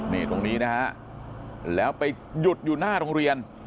นี่ตรงนี้นะฮะแล้วไปหยุดอยู่หน้าโรงเรียน